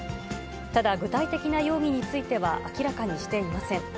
ただ、具体的な容疑については明らかにしていません。